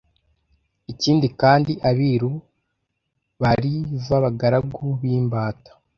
Ikindi kandi, Abiru bariv Abagaragu b’imbata